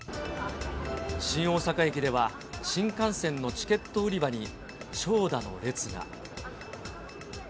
新大阪駅では、新幹線のチケット売り場に長蛇の列が。